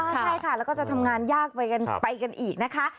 ใช่ค่ะแล้วก็จะทำงานยากไปกันอีกนะคะ